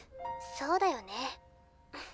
そうだよね。